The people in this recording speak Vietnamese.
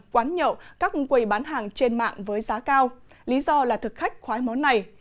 quán nhậu các quầy bán hàng trên mạng với giá cao lý do là thực khách khoái món này